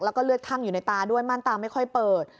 แล้วก็เลือดคั่งอยู่ในตาด้วยมั่นตาไม่ค่อยเปิด